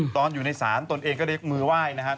ตอนอยู่ในศาลตนเองก็ยกมือไหว้นะครับ